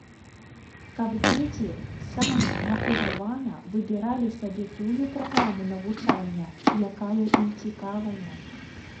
Каб дзеці самі матывавана выбіралі сабе тую праграму навучання, якая ім цікавая.